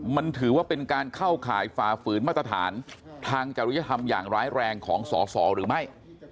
มันถือว่าเป็นการเข้าข่ายฝ่าฝืนมาตรฐานทางจริยธรรมอย่างร้ายแรงของสอสอหรือไม่